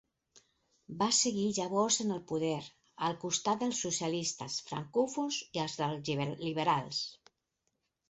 Va seguir llavors en el poder, al costat dels socialistes francòfons, i al dels liberals.